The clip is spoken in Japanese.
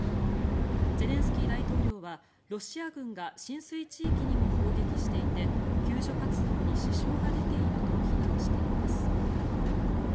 ゼレンスキー大統領はロシア軍が浸水地域にも砲撃していて救助活動に支障が出ていると非難しています。